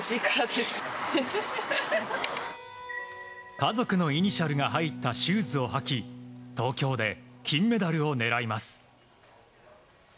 家族のイニシャルが入ったシューズを履き東京で金メダルを狙います。